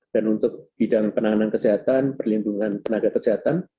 dan untuk bidang penahanan kesehatan perlindungan tenaga kesehatan